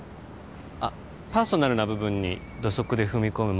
あっパーソナルな部分に土足で踏み込む